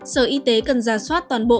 sở y tế cần giả soát toàn bộ